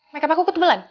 makeup aku kebelan